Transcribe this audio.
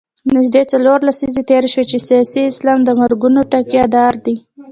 نژدې څلور لسیزې تېرې شوې چې سیاسي اسلام د مرګونو ټیکه دار دی.